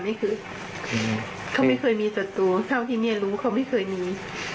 ไม่คือมานี่เคยามีฉันที่มานี่ไม่รู้เขาไม่เคยมี